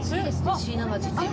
椎名町って今。